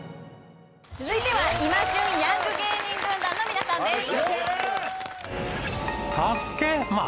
続いては今旬ヤング芸人軍団の皆さんです。